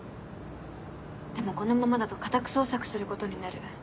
でもこのままだと家宅捜索することになる。